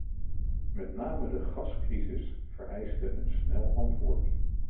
Met name de gascrisis vereiste een snel antwoord.